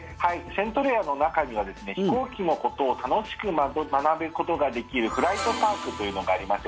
セントレアの中にはですね飛行機のことを楽しく学ぶことができるフライトパークというのがありまして。